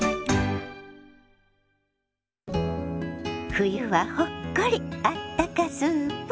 「冬はほっこりあったかスープ」。